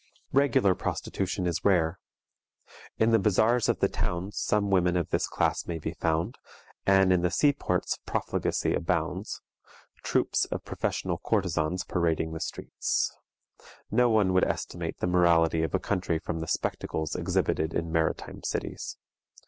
Regular prostitution is rare. In the bazars of the towns some women of this class may be found, and in the sea ports profligacy abounds, troops of professional courtesans parading the streets. No one would estimate the morality of a country from the spectacles exhibited in maritime cities.